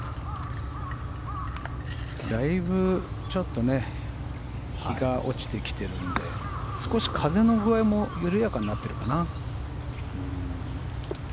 だいぶちょっとね日が落ちてきてるので少し風の具合も緩やかになっているかな。